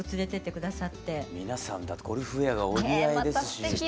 皆さんだってゴルフウエアがお似合いですし。